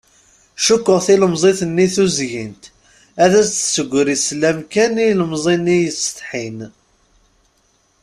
Cukkeɣ tilemẓit-nni tuzyint ad s-tessegri sslam kan i ilemẓi-nni yettsetḥin.